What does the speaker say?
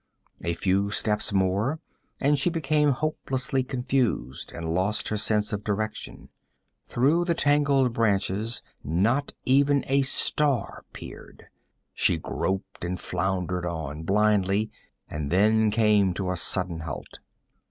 A few steps more and she became hopelessly confused and lost her sense of direction. Through the tangled branches not even a star peered. She groped and floundered on, blindly, and then came to a sudden halt.